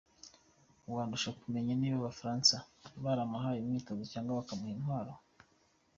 Wandusha kumenya niba Abafaransa baramuhaye imyitozo cyangwa bakamuha intwaro.